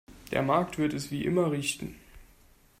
Der Markt wird es wie immer richten.